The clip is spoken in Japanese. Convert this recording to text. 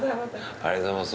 ありがとうございます。